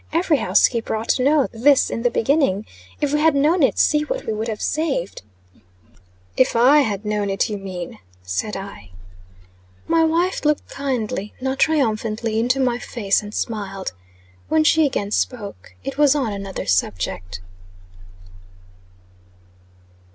Every housekeeper ought to know this in the beginning. If we had known it, see what we would have saved." "If I had known it, you mean," said I. My wife looked kindly, not triumphantly, into my face, and smiled. When she again spoke, it was on another subject.